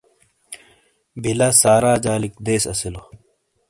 بیلہ سارا جالِیک دیس اسیلو۔